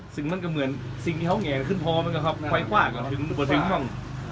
ซึ่งมันก็เหมือนสิ่งที่เขาแหงขึ้นพอมันก็ควายฝ้าก็ถึงไม่ถึงบ้าง